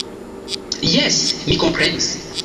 Jes, mi komprenis.